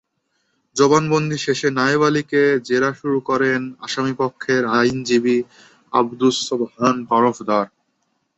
জবানবন্দি শেষে নায়েব আলীকে জেরা শুরু করেন আসামিপক্ষের আইনজীবী আবদুস সোবহান তরফদার।